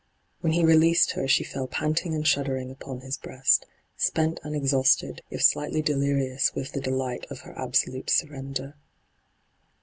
When he released her she fell pantii^ and shuddering upon his breast, spent and exhausted, if slightly delirious with the delight of her absolute surrender.